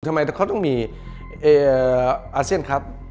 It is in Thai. ทำไมเขาต้องมีอาเซียนครับ